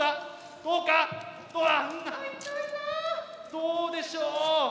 どうでしょう！